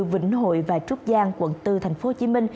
vĩnh hội và trúc giang quận bốn tp hcm